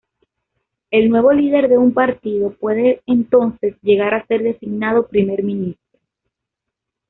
El nuevo líder de un partido puede entonces llegar a ser designado primer ministro.